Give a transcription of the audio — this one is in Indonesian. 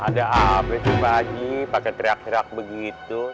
ada aap sembahagiii pakai teriak teriak begitu